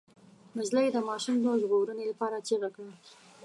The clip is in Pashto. نجلۍ د ماشوم د ژغورنې لپاره چيغه کړه.